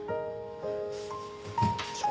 よいしょ。